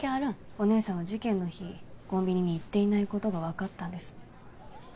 お姉さんは事件の日コンビニに行っていないことが分かったんです